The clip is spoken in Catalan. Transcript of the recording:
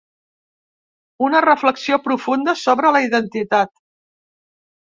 Una reflexió profunda sobre la identitat.